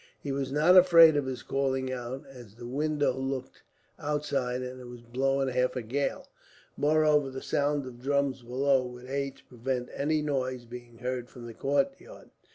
He was not afraid of his calling out, as the window looked outside, and it was blowing half a gale. Moreover, the sound of drums below would aid to prevent any noise being heard from the courtyard.